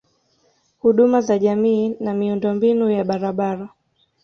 Huduma za jamii na Miundombinu ya barabara